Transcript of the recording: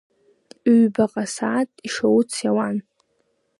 Ҩбаҟа сааҭ ишауц иауан.